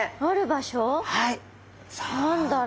何だろう。